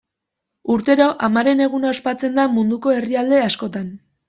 Urtero, amaren eguna ospatzen da munduko herrialde askotan.